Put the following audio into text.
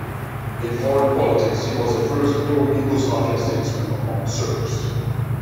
In foreign politics, he was the first pro Yugoslavia statesman among Serbs.